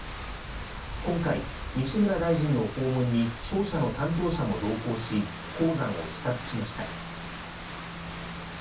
今回、西村大臣の訪問に商社の担当者も同行し、鉱山を視察しました。